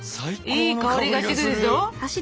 いい香りがしてくるでしょ。